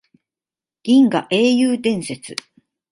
銀河英雄伝説